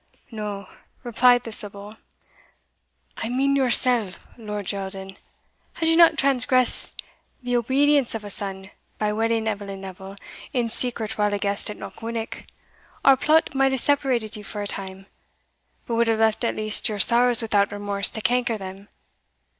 "No," replied the sibyl, "I mean yoursell, Lord Geraldin. Had you not transgressed the obedience of a son by wedding Eveline Neville in secret while a guest at Knockwinnock, our plot might have separated you for a time, but would have left at least your sorrows without remorse to canker them.